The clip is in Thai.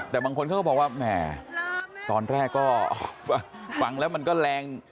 แต่บางคนเขาก็บอกว่าแหมตอนแรกก็ฟังแล้วมันก็แรง